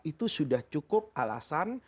itu sudah cukup alasan